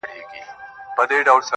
o هغه د ساه کښلو لپاره جادوگري غواړي.